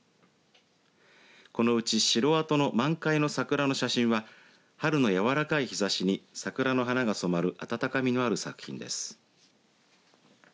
このうち城跡の満開の桜の写真は春のやわらかい日ざしに桜の花が染まる温かみのある作品です。